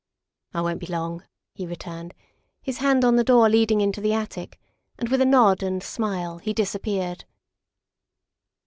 " I won't be long," he returned, his hand on the door leading into the attic, and with a nod and smile he disappeared.